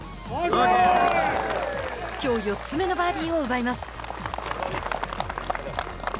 きょう４つ目のバーディーを奪います。